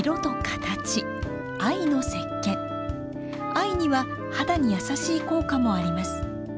藍には肌に優しい効果もあります。